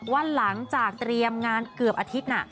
ว่าหลังจากเตรียมงานเกือบอาทิตย์น่ะ